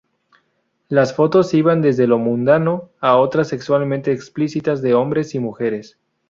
Las fotos iban desde lo mundano a otras sexualmente explícitas de hombres y mujeres.